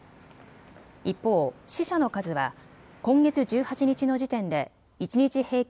一方、死者の数は今月１８日の時点で一日平均